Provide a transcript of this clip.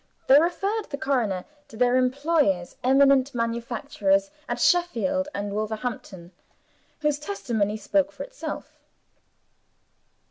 They referred the coroner to their employers eminent manufacturers at Sheffield and Wolverhampton whose testimony spoke for itself.